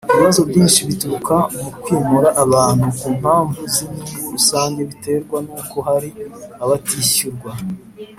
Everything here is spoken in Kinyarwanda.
Ibibazo byinshi bituruka mu kwimura abantu ku mpamvu z’inyungu rusange biterwa n’uko hari abatishyurwa